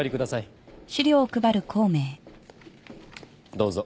どうぞ。